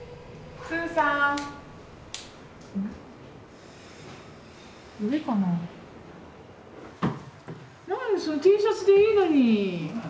なんでＴシャツでいいのに。